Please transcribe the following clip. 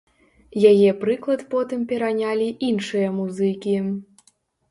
Яе прыклад потым перанялі іншыя музыкі.